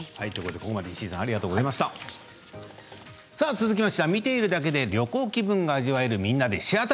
続きましては見ているだけで旅行気分が味わえる「みんなでシェア旅」。